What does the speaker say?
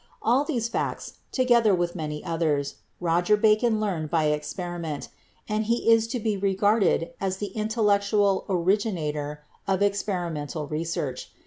All these facts, together with many others, Roger Bacon learned by experiment, and he is to be regarded as the intellectual originator of experimental research.